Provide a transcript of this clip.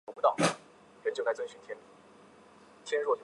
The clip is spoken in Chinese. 日本粗叶木为茜草科粗叶木属下的一个种。